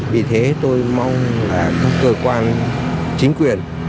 vì thế tôi mong là các cơ quan chính quyền